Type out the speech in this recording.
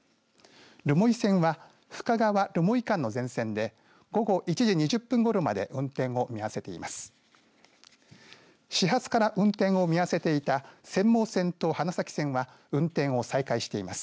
留萌線は深川、留萌間の全線で午後１時２０分ごろまで運転を見合わせています。